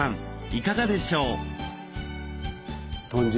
いかがでしょう？